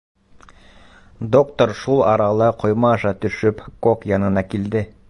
Доктор, шул арала ҡойма аша төшөп, кок янына килде.